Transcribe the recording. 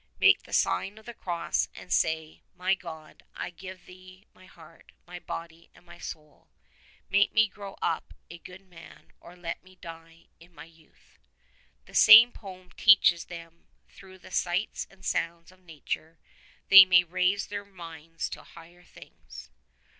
"Make the sign of the Cross and say: *My God, I give Thee my heart, my body and my soul. Make me grow up a good man, or let me die in my youth.' " The same poem teaches them how through the sights and sounds of Nature they may raise their minds to higher things.